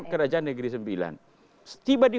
kerajaan negeri sembilan tiba di